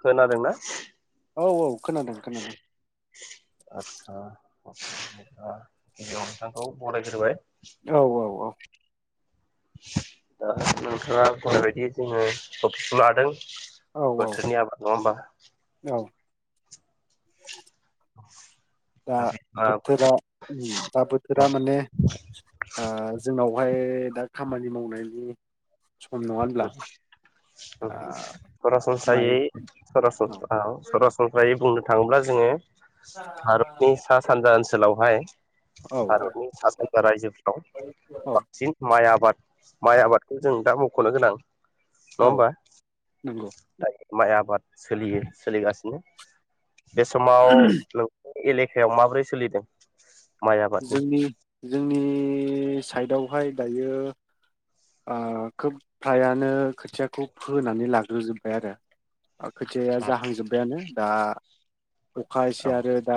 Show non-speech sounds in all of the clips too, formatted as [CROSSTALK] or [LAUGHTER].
खोनादोंना? औ औ । खोनादों खोनादों। आदसा गिबियावनो नोंथांखौ बरायग्रोबाय औ औ औ। दा नोंथाङा बुंनायबायदि जोङो टपिकखौ लादों । औ बोथोरनि आबाद नङा होमबा? औ [INAUDIBLE] [INAUDIBLE] दा बोथोरा दा बोथोरा माने ओ जोंनाव बेवहाय दा खामानि मावनायनि सम नङा होनब्ला दा माइ सरासनस्रायै सरासनस्रा सरासनस्रायै बुंनो थाङोब्ला जोङो भारतनि सा सानजा ओनसोलावहाय औ भारतनि सा सानजा रायजोफ्राव औ बांसिन माइ आबाद माइ आबादखौ जों दा मावो। मख'नो गोनां नङा औ होमब्ला? नंगौ माइ आबाद सोलियो सोलिगासिनो [INAUDIBLE] बे समाव एलेकायाव माब्रै सोलिदों? माइ आबादनि जोंनि जोंनि साइडआवहाय दायो ओ खोब फ्रायानो खोथियाखौ फोनानै लाग्रोजोबबाय आरो खोथायाया आदस जाहांजोबबायानो दा अखा एसे औ आरो दा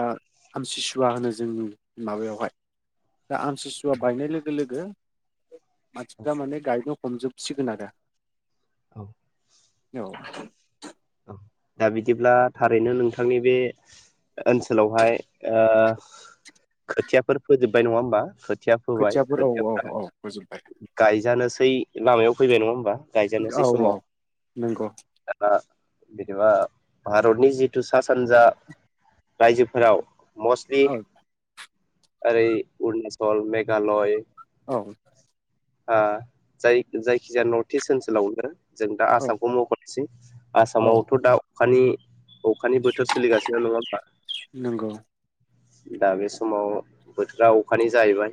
आमथिसुवा होनो जोंनि माबायावहाय दा आमथिसुवा बायनाय लोगो लोगो मानसिफ्रा माने गायनो हमजोबसिगोन आरो। औ औ औ दा बिदिब्ला थारैनो नोंथांनि बे ओनसोलावहाय ओ खोथियाफोर फोजोबबाय नङा होमबा? खोथिया फोबाय खोथियाफोर औ खोथियाफ्रा औ गायजानोसै लामायाव फैबाय नङा होमबा । गायजानोसै समाव औ नंगौ दा जेनेबा भारतनि जि हि सा सानजा रायजोफोराव मस्लि औ ओरै अरुनाचल मेघालय औ हा जाय जायखिजाया नर्थ इस्ट ओनसोलावनो जों दा औ आसामखौ मख'नो जि औ आसामावथ' दा खानि अखानि बोथोर सोलिगासिनो नङा होमबा नंगौ दा बे समाव बोथोरा अखानि जायैबाय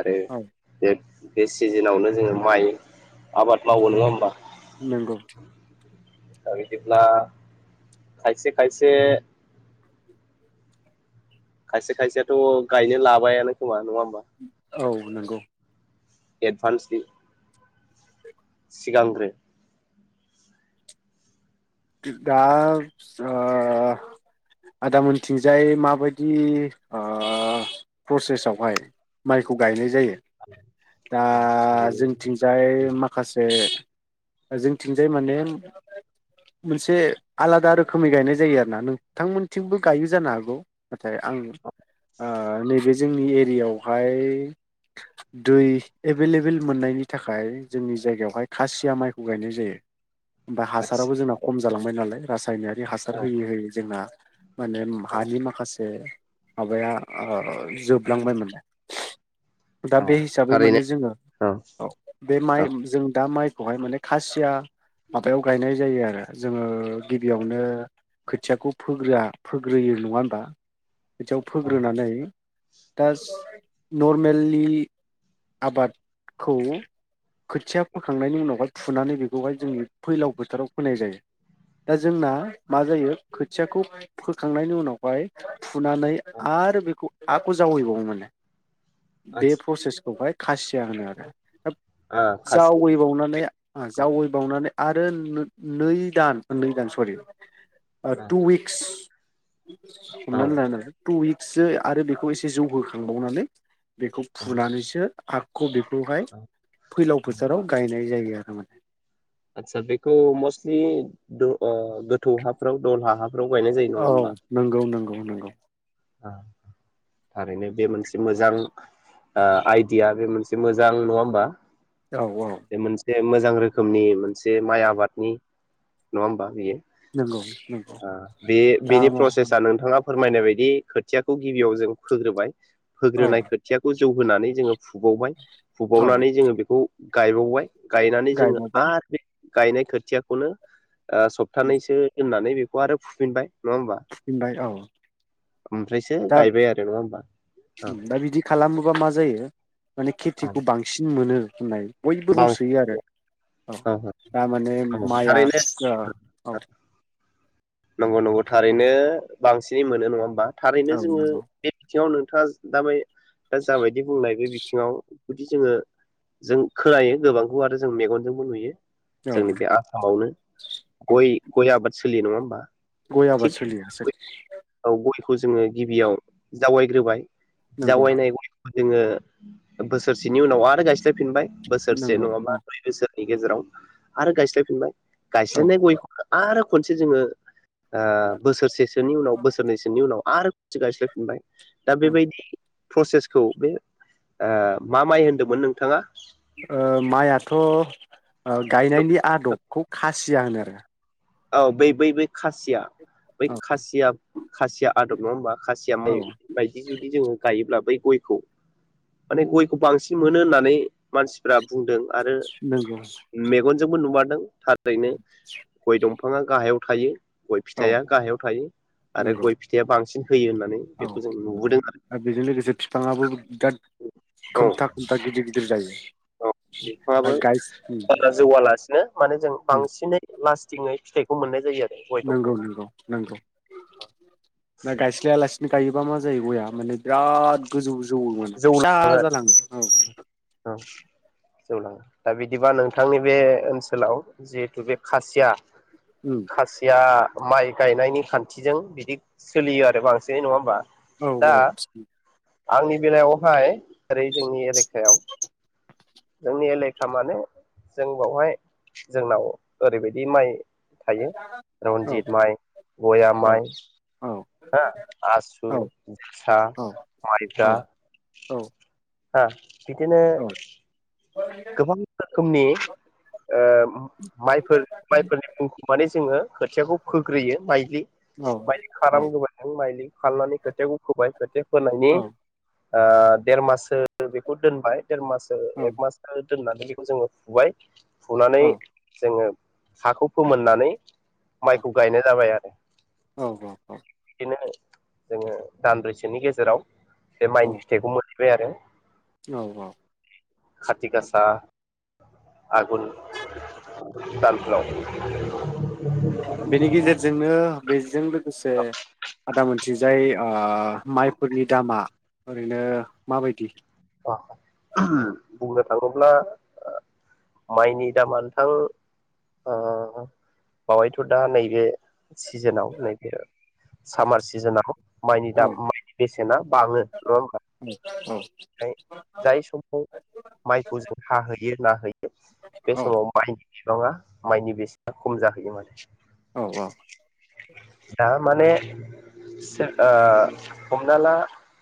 आरो औ बेब बे सिजेनावनो जोङो माइ आबाद मावो नङा होमबा नंगौ [UNINTELLIGIBLE] खायसे खायसे खायसे खायसेथ' गायनो लाबायानो खोमा नङा होम बा औ नंगौ एडभान्स नि सिगांग्रो दा ओ आदामोनथिंजाय माबायदि ओ प्रसेसआवहाय माइखौ गायनाय जायो दा औ ओरैनो जोंथिंजाय माखासे जोंथिंजाय माने मोनसे आलादा रोखोमै गायनाय जायो आरो ना नोंथांमोनथिंबो गायो जानो हागौ नाथाय आं ओ नैबे जोंनि एरियायावहाय दै एभोलएबेल मोननायनि थाखाय जोंनि जायगायावहाय खासिया माइखौ गायनाय जायो। बा आदसा हासाराबो जोंना खम जालांबाय नालाय रासायना रि हासार औ होयै होयै जोंना माने औ हानि माखासे माबाया ओ जोबलांबायमोन। दा औ बे हिसाबै थारैनो माने जोङो औ बाब बे औ माइ जों दा माइ बेवहाय माने खासिया माबायाव गायनाय जायो आरो। जोङो गिबियावनो खोथियाखौ फोग्रोआ फोग्रोयो नङा होमबा बिदियाव औ फोग्रोनानै दा नरमेलि आबादखौ खोथिया फोखांनायनि उनावहाय फुनानै बेखौहाय जोंनि फैलाव फोथाराव फोनाय जायो दा जोंना मा जायो खोथियाखौ फोखांनायनि उनावहाय फु फुनानै औ आरो बेखौ हाखौ जावैबावो माने बे आदसा प्रसेसखौहाय खासिया होनो आरो दा खासिया जावैबावनानै जावैबावनानै आरो नो नै [UNINTELLIGIBLE] सरि टु उइक्स औ हमनानानै ला नों टु उइक्सो आरो बेखौ एसे जौबो खांबावनानै बेखौ फुनानैसो आखु बि बेखौहाय फैलाव फोथाराव गायनाय जायो। [UNINTELLIGIBLE] आतसा बेखौ मस्टलि दो ओ गोथौ हाफ्राव दलहा हाफ्राव गायनाय जायो नङा होमबा नोंगौ ओ थारैनो बे मोनसे मोजां आइदिया बे मोनसे एसे मोजां नङा होमबा? औ औ जे मोजां रोखोमनि मोनसे माइ आबादनि नङा होमबा बेयो नंगौ नंगौ ओ बे दा बेनि मा प्रसेसा नोंथाङा फोरमायनाय बायदि खोथियाखौ गिबियाव जों फोग्रोबाय औ फोग्रोनाय खोथियाखौ जौ होनानै जोङो फुबावबाय औ फुबावनानै जोङो बेखौ गायबावबाय गायनानै जोङो गायबावबाय आरो बे गायनाय खोथियाखौनो ओ सप्तानैसो दोननानै खौ आरो फुफिनबाय नङा होमबा फुफिनबाय औ ओमफ्रायसो दा गायबाय आरो नङा होमबा औ बा मा जायो माने औ खेथिखौ बांसिन मोनो बुंनाय बयबो बुंसोयो आरो बांसिन औ थारमाने औ माइआ थारैनो औ ओ नंगौ नंगौ थारैनो बांसिनै मोनो नङा होमबा थारैनो औ जोङो नंगौ बे बिथिङावनो खास दामै दा जाबायदि बुंनाय बे बिथिङाव जुदि जोङो जों खोनायो गोबांखौ आरो जों मेगनजोंबो नुयो औ जोंनि बे आसामावनो औ गय गय आबाद सोलियो नङा होमबा गय आबाद थिग सोलिया औ गयखौ जोङो गिबियाव जावैग्रोबाय नंगौ जावायनाय गय जोङो बोसोरसेनि उनाव आरो गायस्लायफिनबाय बोसोरसे नंगौ नङाबा औ नै बोसोर बे गेजेराव आरो गायस्लायफिनबाय औ गायस्लायनाय गय फोरखौ आरो खनसे जोङो ओ बोसोरसेसोनि उनाव बोसोरनैसोनि उनाव आरो खनसे गायस्लाय फिनबाय दा बे औ बायदि प्रसेसखौ बे ओ मा माइ होनदोंमोन नोंथाङा अ गायनायनि नि आदबखौ खास सिया होनो आरो औ बै बै बै खासिया बै खासिया खासिया आदब नङा होमबा खासिया माइ औ बायदि जुदि जोङो गायोब्ला बै गयखौ माने गयखौ बांसिन मोनो होननानै मानसिफ्रा बुंदों। आरो नंगौ मेगन जोंबो नुमारदों था रैनो दंफांआ गाहायाव थायो । गय औ फिथाइया गाहायाव थायो आरो नंगौ गय फिथाइया बांसिन होयो होननानै औ बेखौ जों नुबोदों आरो बेजों लोगोसे बिफांङाबो बिराद औ खोमथा खोमथा गिदिर गिदिर दिर जायो । औ बिफाङाबो बारा जौवालासिनो माने जों बांसिनै लास्टिङै फिथाइ खौ मोननाय जायो आरो । नंगौ नंगौ नंगौ ना गायस्लायालासि गायोबा मा जायो गया माने बिराद गोजौ जौवो माने जौ फिसा लाङो जालाङो औ । जौलाङो दा बिदिबा नोंथांनि बे ओनसोलाव जिहेथु बे खासिया उम खासिया माइ गायनायनि खान्थिजों बिदि सोलियो आरो बांसिनै नङा होमबा? औ दा औ आंनि बेलायावहाय ओरै जोंनि एलेखायाव जोंनि एलेखा माने जों बावहाय जोंनाव ओरैबायदि माइ थायो औ रनजित माइ, गया माइ औ हा, आसु, औ जोसा, औ माइब्रा औ औ । हा बिदिनो औ गोबां रोखोमनि ओ माइफोर माइफोरनि बुं माने जोङो खोथियाखौ फोग्रोयो माइलि औ माइलि औ [UNINTELLIGIBLE] माइलि खालामनानै खोथियाखौ फोबाय खोथिया फोनायनि ओ देर माससो बेखौ दोनबाय देर माससो एक मास दोननानै बेखौ जोंङो फुबाय । फुनानै जोंङो हाखौ फोमोननानै माइखौ गायनाय जाबाय आरो । औ औ औ जोंङो दानब्रैसोनि गेजेराव बे माइनि फिथाइखौ मो आमफ्राय आरो औ औ खाथि गासा आगोन दानफ्राव बेनि गेजेरजोंनो बेजों लो लोगोसे आदा मोनथिजाय ओ माइफोरनि दामा ओरैनो माबायदि? [UNINTELLIGIBLE] थाङोब्ला माइनि दामा नोथां ओ बावयैथ' दा नैबे सिजेनाव नैबे सामार सिजेनाव माइनि औ दाम माइनि बेसेना बाङो नङा होमबा। औ जाय समाव माइखौ जों हाहोयो नाहोयो बे समाव माइ बिबाङा माइनि बेसेना खम जाहैयो माने। औ औ। दा माने सोर ओ हमना ला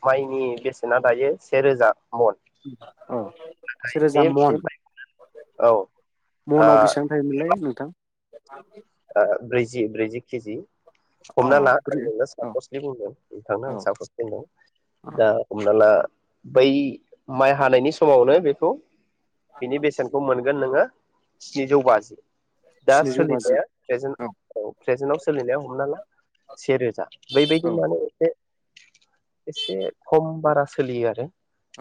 माइनि बेसेना दायो से रोजा। अ से रोजा बे बे मन माइ औ ओ ओ मनाव बेसेबां थायोमोनलाय नोंथां? ओ ब्रैजि ब्रैजि । खिजि। अ हमना ला आं ब्रै नोंनो औ सापसलि बुंदों नोंथांनो औ आं सापस बुंदों दा हमना ला बै माइ हानायनि समावनो बेखौ बिनि बेसेनखौ मोन मोनगोन नोङो स्निनिजौ बाजि। दा स्निजौ बाजि सोलिनाया प्रेजेन औ प्रेजेन्टाव सोलिनाया हमना ला सेेरोजा बैबायदि औ माने एसे एसे खम बारा सोलियो आरो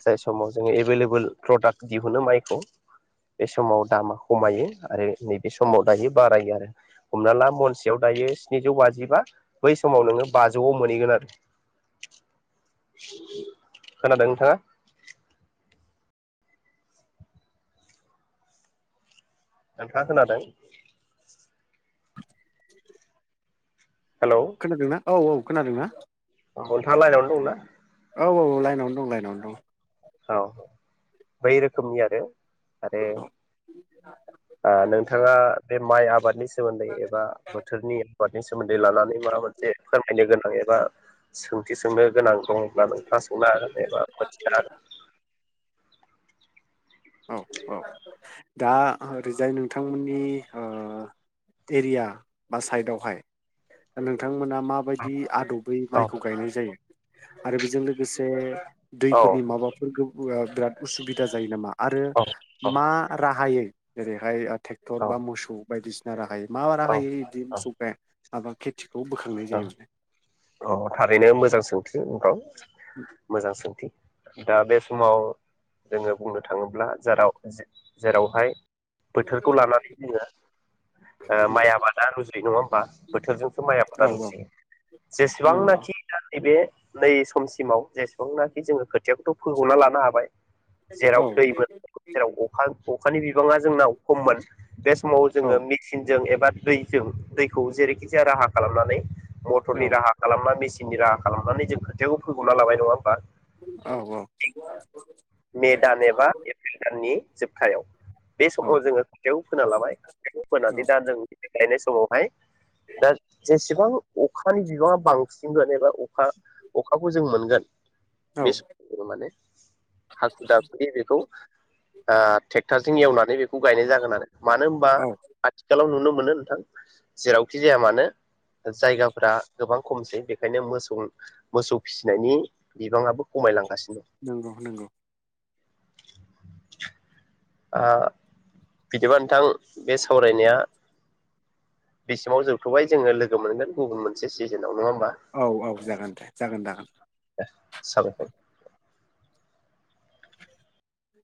जाय समाव जोङो एभेलेबेल प्रडाक्ट दिहुनो माइखौ बे समाव दामा खमायो आरो नैबे समाव दायो बारायो आरो। हमना ला महनसेयाव दायो स्निजौ बाजिबा बै समाव नोङो बाजौआव मोनहैगोन आरो खोनादों नोंथाङा। नोंथां खोनादों। हेलौ खोनादोंना? औ औ खोनादोंना? अ नोंथांआ लाइन दंना? औ औ औ लाइनावनो दं लाइनावनो दं। औ बै रोखोमनि आरो। आरो दं औ ओ नोंथाङा? बे माइ आबादनि सोमोन्दै एबा बोथोरनि आबादनि सोमोन्दै लानानै माबा मोनसे फोरमायनो गोनां एबा सोंथि सोंनो गोनां दंब्ला सोंनो हागोन एबा [UNINTELLIGIBLE] औ औ दा ओरैजाय नोंथांमोननि ओ एरिया बा साइड आवहाय नोंथांमोना? माबायदि हागोन आदबै औ माइखौ गायनाय जायो आरो बेजों लोगोसे औ दैफोरनि माबाफोर गो बिराद उसुबिदा जायो नामा? आरो औ मा राहायै। जेरैहाय आ ट्रेक्टर औ बा मोसौ बायदिसि ना रागाखायै। मा मा औ राहायै दिम सुपे आबा खिथि। औ अ थारैनो मोजां सोंथि औ मोजां सोंथि। दा बे समाव जोङो बुंनो थाङोब्ला जेराव जेरावहाय। बोथोरखौ लानानै जोङो ओ माने माइ आबादा रुजुयो नङा होमबा बोथोरजोंसो माइ आ। औ औ जेबांजे नंगौ जेसेबांनाखि थान्दै, बे नै समसिमाव जेसेबांनाखि जोङो खोथियाखौथ' फोग'ना लानो हाबाय। जेराव औ दै मोन जेरावखा अखानि बिबाङा जोंनाव खममोन। बे समाव औ जोङो मेचिनजों एबा। दैजों दैखौ जेरैखि जाया राहा। खालामनानै। मथरनि औ राहा खालामना मेसि। नि राहा खालामनानै जों खोथियाखौ फैग'ना लाबाय नङा होमबा। औ औ। मे दान एबा एप्रिल दाननि। जोबथायाव। बे औ समाव जोङो खाोथियाखौ फोना लाबाय फोनानै दा जों गायनाय समावहाय दा जेसेबां अख अखानि बिबाङा बांसिनगोन एबा अखा अखाखौ जों मोनगोन। औ बे माने। हाखु दाखुयै बेखौ। ओ ट्रेक्टारजों एवनानै बेखौ गायनाय जागोन आरो। मानो होनबा औ आथिखालाव नुनो मोनो नोंथां जेरावखि जाया मानो जायगाफोरा गोबां खमसै बेनिखायनो मोसौ मोसौ फिसिनायनि बिबाङाबो खमायलांगासि नंगौ नंगौ [INAUDIBLE] आ बिदिबा नोंथां बे सावरायनाया बेसिमाव जोबथबाय जोङो लोगो मोनगोन गुबुन मोनसे सिजोनाव नङा होमबा औ औ जागोन दे जागोन जागोन। साबायखर।